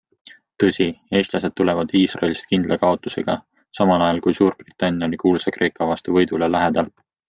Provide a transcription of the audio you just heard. Tõsi, eestlased tulevad Iisraelist kindla kaotusega, samal ajal kui Suurbritannia oli kuulsa Kreeka vastu võidule lähedal.